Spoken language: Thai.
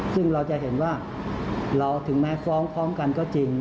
เราจะเห็นว่าเราถึงแม้คล้องกันก็จริง